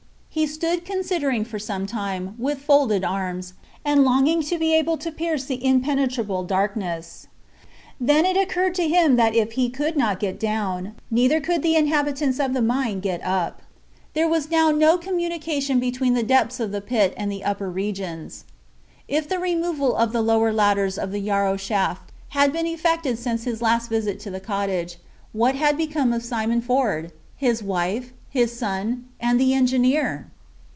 He stood considering for some time, with folded arms, and longing to be able to pierce the impenetrable darkness. Then it occurred to him that if he could not get down, neither could the inhabitants of the mine get up. There was now no communication between the depths of the pit and the upper regions. If the removal of the lower ladders of the Yarrow shaft had been effected since his last visit to the cottage, what had become of Simon Ford, his wife, his son, and the engineer?